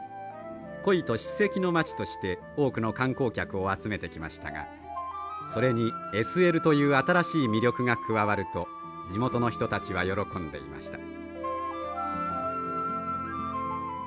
コイと史跡の町として多くの観光客を集めてきましたがそれにＳＬという新しい魅力が加わると地元の人たちは喜んでいました。